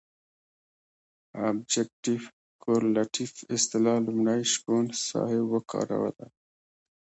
ابجګټف کورلیټف اصطلاح لومړی شپون صاحب وکاروله.